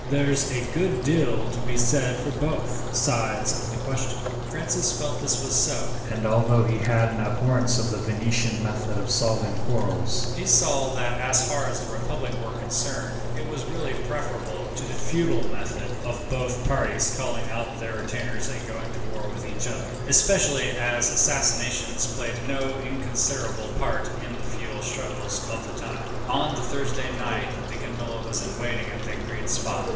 There's a good deal to be said for both sides of the question." Francis felt this was so, and that although he had an abhorrence of the Venetian method of settling quarrels, he saw that as far as the public were concerned, it was really preferable to the feudal method, of both parties calling out their retainers and going to war with each other, especially as assassinations played no inconsiderable part in the feudal struggles of the time. On the Thursday night the gondola was in waiting at the agreed spot.